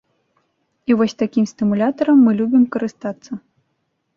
І вось такім стымулятарам мы любім карыстацца!